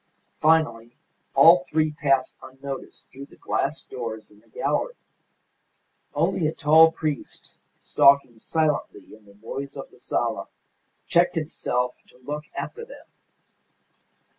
Finally all three passed unnoticed through the glass doors in the gallery. Only a tall priest stalking silently in the noise of the sala checked himself to look after them.